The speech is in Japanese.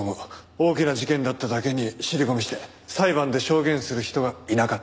大きな事件だっただけに尻込みして裁判で証言する人がいなかったんだろう。